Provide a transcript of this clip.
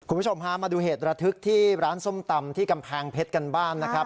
คุณผู้ชมฮะมาดูเหตุระทึกที่ร้านส้มตำที่กำแพงเพชรกันบ้างนะครับ